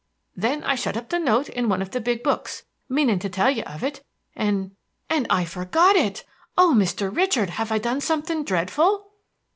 "Then I shut up the note in one of the big books, meaning to tell you of it, and and I forgot it! Oh, Mr. Richard, have I done something dreadful?"